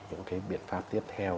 những cái biện pháp tiếp theo